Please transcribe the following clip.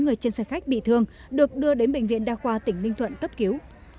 hai người trên xe khách bị thương được đưa đến bệnh viện đa khoa tỉnh ninh thuận cấp cứu